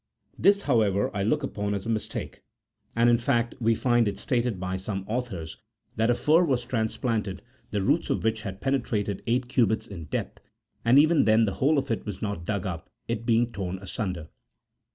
This, however, I look upon64 as a mistake : and, in fact, we find it stated by some authors that a fir was transplanted, the roots of which had penetrated eight cubits in depth, and even then the whole of it was not dug up, it being torn asunder.